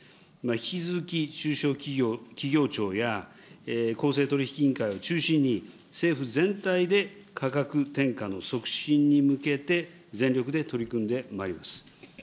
引き続き中小企業庁や、公正取引委員会を中心に、政府全体で価格転嫁の促進に向けて、全力で取り組んでまいります。